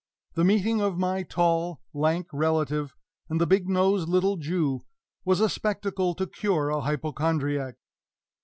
The meeting of my tall, lank relative and the big nosed little Jew was a spectacle to cure a hypochondriac!